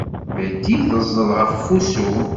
Betty teẓẓel ɣef wusu.